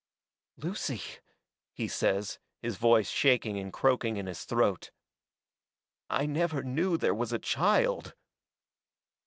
"Lucy," he says, his voice shaking and croaking in his throat, "I never knew there was a child!"